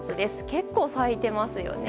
結構咲いてますよね。